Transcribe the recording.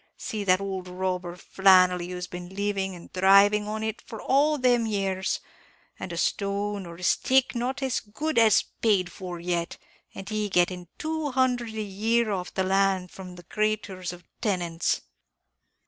See that ould robber, Flannelly, who has been living and thriving on it for all them years, and a stone or stick not as good as paid for yet; and he getting two hundred a year off the land from the crayturs of tenants."